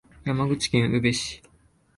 山口県宇部市